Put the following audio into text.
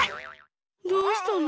どうしたの？